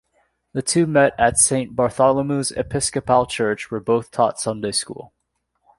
The two met at Saint Bartholomew's Episcopal Church where both taught Sunday School.